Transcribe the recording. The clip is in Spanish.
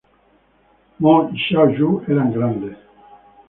Mo y Xiao Yu eran grandes.